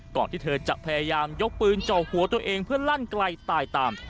ที่เธอจะพยายามยกปืนจ่อหัวตัวเองเพื่อลั่นไกลตายตาม